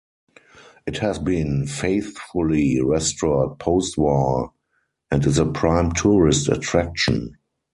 It has been faithfully restored post-war and is a prime tourist attraction.